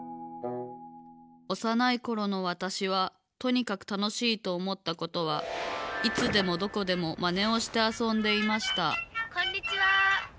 おさないころのわたしはとにかくたのしいとおもったことはいつでもどこでもまねをしてあそんでいましたこんにちは。